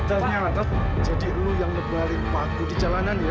ternyata jadi lu yang nebari paku di jalanan ya